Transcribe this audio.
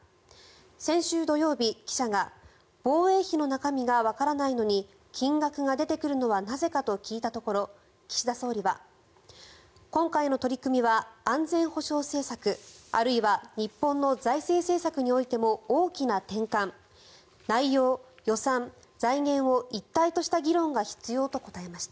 先週土曜日、記者が防衛費の中身がわからないのに金額が出てくるのはなぜかと聞いたところ岸田総理は今回の取り組みは安全保障政策あるいは日本の財政政策においても大きな転換内容、予算、財源を一体とした議論が必要と答えました。